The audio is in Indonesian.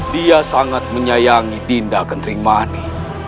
dia sangat menyayangi dinda gentrimani